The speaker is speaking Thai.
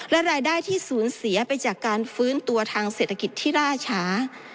และรายได้ที่สูญเสียไปจากการฟื้นตัวทางเศรษฐกิจที่ล่าช้า